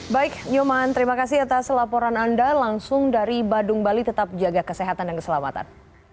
baik nyoman terima kasih atas laporan anda langsung dari badung bali tetap jaga kesehatan dan keselamatan